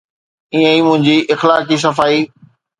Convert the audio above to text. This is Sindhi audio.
ائين ئي منهنجي اخلاقي صفائي.